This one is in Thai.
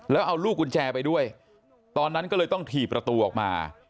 แล้วเอาลูกกุญแจไปด้วยตอนนั้นก็เลยต้องถี่ประตูออกมา